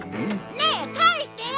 ねえ返してよ！